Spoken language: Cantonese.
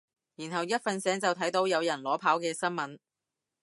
然後一瞓醒就睇到有人裸跑嘅新聞